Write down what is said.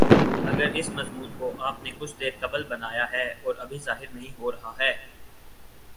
اگر اس مضمون کو آپ نے کچھ دیر قبل بنایا ہے اور ابھی ظاہر نہیں ہو رہا ہے